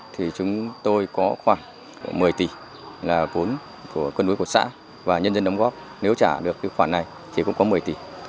thì chúng tôi có khoảng một mươi tỷ là vốn của cân đối của xã và nhân dân đóng góp nếu trả được cái khoản này thì cũng có một mươi tỷ